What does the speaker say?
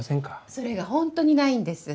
それが本当にないんです。